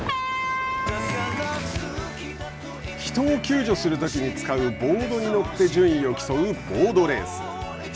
人を救助するときに使うボードに乗って順位を競うボードレース。